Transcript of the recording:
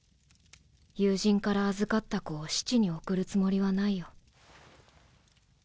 友人から預かった子を死地に送るつもりはないよ。